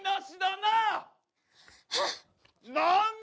なんだ？